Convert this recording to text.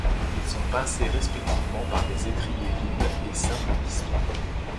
Ils sont pincés respectivement par des étriers double et simple pistons.